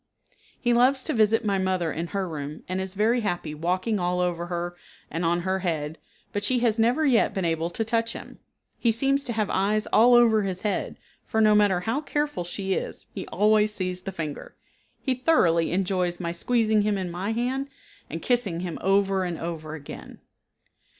He loves to visit my mother in her room, and is very happy walking all over her and on her head, but she has never yet been able to touch him. He seems to have eyes all over his head, for, no matter how careful she is, he always sees the finger. He thoroughly enjoys my squeezing him in my hand, and kissing him over and over again.